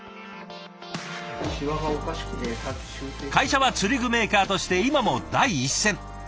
会社は釣り具メーカーとして今も第一線。